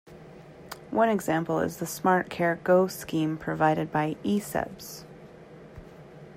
One example is the "Smartcare go" scheme provided by Ecebs.